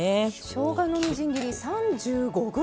しょうがのみじん切り３５ｇ！